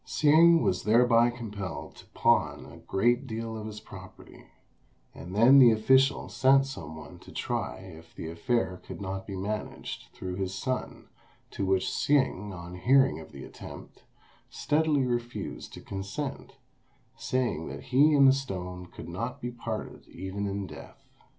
Hsing was thereby compelled to pawn a great deal of his property; and then the official sent some one to try if the affair could not be managed through his son, to which Hsing, on hearing of the attempt, steadily refused to consent, saying that he and the stone could not be parted even in death.